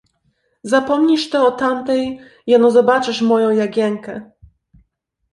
"Zapomnisz ty o tamtej, jeno zobaczysz moją Jagienkę."